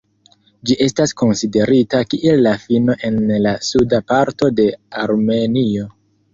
Ĝi estas konsiderita kiel la fino en la suda parto de Armenio.